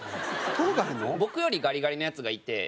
僕よりガリガリのヤツがいて。